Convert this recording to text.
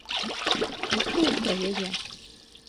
Хто чуў пра яе?